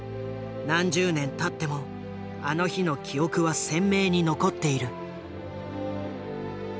何十年たってもあの日の記憶は鮮明に残っている。